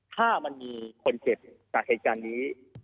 ถ้ามันมีคนเจ็บจากเหตุการณ์นี้